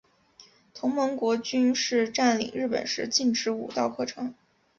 同盟国军事占领日本时禁止武道课程。